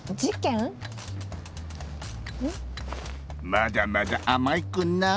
まだまだあまいクンな。